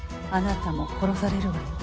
あなたも殺されるわよ。